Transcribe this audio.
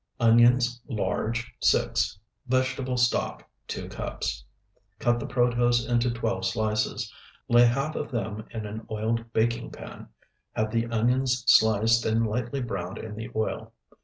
Onions, large, 6. Vegetable stock, 2 cups. Cut the protose into twelve slices, lay half of them in an oiled baking pan; have the onions sliced and lightly browned in the oil.